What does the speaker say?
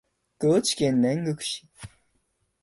高知県南国市